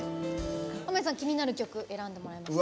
濱家さん気になる曲、選んでもらえますか。